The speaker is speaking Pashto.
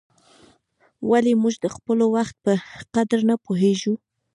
ولي موږ د خپل وخت په قدر نه پوهیږو؟